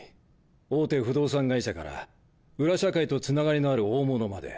大手不動産会社から裏社会とつながりのある大物まで。